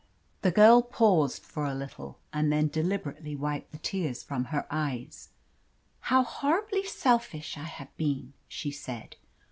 The girl paused for a little, and then deliberately wiped the tears from her eyes. "How horribly selfish I have been!" she said.